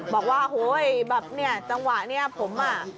บอกว่าเฮ้ยแบบนี้จังหวะค์นี้ผมอะ